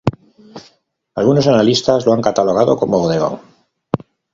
Algunos analistas lo han catalogado como bodegón.